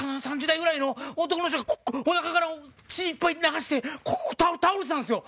３０代くらいの男の人がお腹から血いっぱい流してこう倒れてたんですよ！